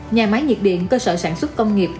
nhà máy nhiệt điện cơ sở sản xuất công nghiệp